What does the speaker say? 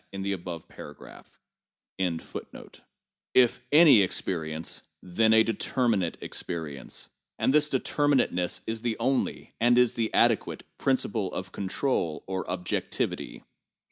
398 THE JOUBNAL OF PHILOSOPHY If any experience, then a determinate experience; and this de terminateness is the only, and is the adequate, principle of control, or 'objectivity.'